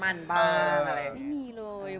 บางทีเค้าแค่อยากดึงเค้าต้องการอะไรจับเราไหล่ลูกหรือยังไง